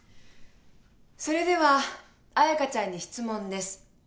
それでは彩香ちゃんに質問です。